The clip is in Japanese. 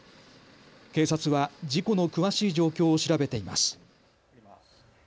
警察は事故の詳しい状況を調べています。